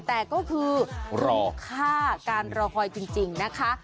แต่ก็คือรอค่าการรอคอยจริงนะคะ